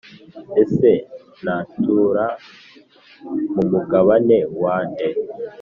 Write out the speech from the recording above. ese natura mu mugabane wa nde?